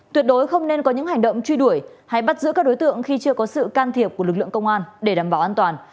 tuyệt đối không nên có những hành động truy đuổi hay bắt giữ các đối tượng khi chưa có sự can thiệp của lực lượng công an để đảm bảo an toàn